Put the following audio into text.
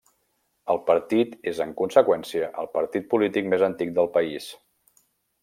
El partit és, en conseqüència, el partit polític més antic del país.